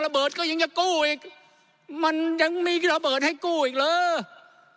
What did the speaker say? ก็ยังจะกู้อีกมันยังมีระเบิดให้กู้อีกเหรอ